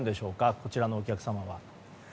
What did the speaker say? こちらのお客様は。